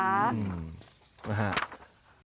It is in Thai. อืมมาฮะ